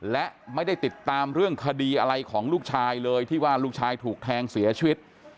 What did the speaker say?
และไม่ได้ติดตามเรื่องคดีอะไรของลูกชายเลยที่ว่าลูกชายถูกแทงเสียชีวิต